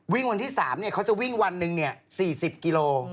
วิ่งวันที่๓เนี่ยเขาจะวิ่งวันหนึ่งเนี่ย๔๐กิโล